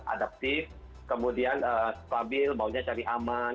adaptif kemudian stabil baunya cari aman